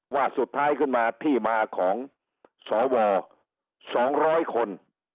ว่าสุดท้ายขึ้นมาที่มาของสว๒๐๐คน